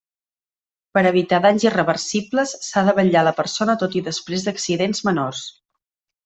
Per evitar danys irreversibles, s'ha de vetllar la persona tot i després d'accidents menors.